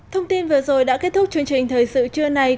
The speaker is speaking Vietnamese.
thông tin vừa rồi đã kết thúc chương trình thời sự trưa này